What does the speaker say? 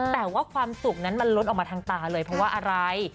แต่ว่าความสุขมันลดออกมาทางตาเลยพร้อมว่าอะไร